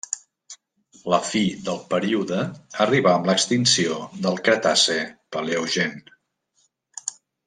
La fi del període arribà amb l'extinció del Cretaci-Paleogen.